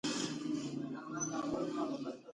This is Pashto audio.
هغې ګاونډي ګیدړ ته غږ وکړ چې شات راوړي